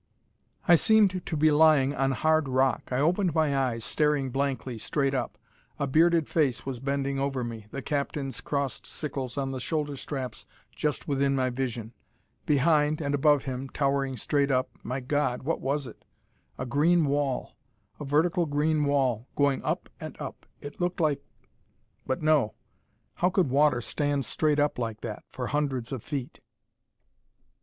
I seemed to be lying on hard rock. I opened my eyes, staring blankly, straight up. A bearded face was bending over me, the captain's crossed sickles on the shoulder straps just within my vision. Behind, and above him, towering straight up my God! what was it? A green wall, a vertical green wall, going up and up! It looked like but no: how could water stand straight up like that, for hundreds of feet?